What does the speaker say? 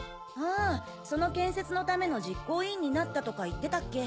あぁその建設のための実行委員になったとか言ってたっけ。